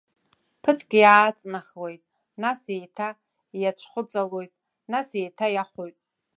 Ԥыҭк иааҵнахуеит, нас еиҭа иацәхәыҵалоит, нас еиҭа иахоит.